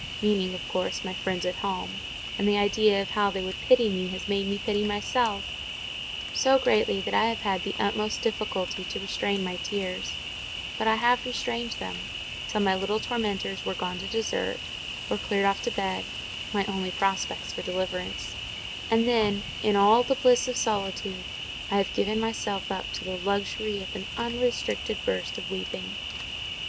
meaning, of course, my friends at home; and the idea of how they would pity me has made me pity myself—so greatly that I have had the utmost difficulty to restrain my tears: but I have restrained them, till my little tormentors were gone to dessert, or cleared off to bed (my only prospects of deliverance), and then, in all the bliss of solitude, I have given myself up to the luxury of an unrestricted burst of weeping.